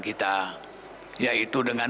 kita yaitu dengan